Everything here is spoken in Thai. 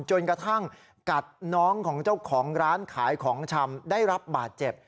จนกระทั่งกัดน้องของเจ้าของร้านขายของชำได้รับบาดเจ็บ